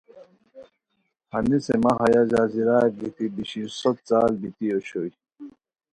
ہنیسے مہ ہیہ جزیرا گیتی بیشیر سوت سال بیتی اوشوئے